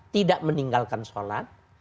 tidak meninggalkan sholat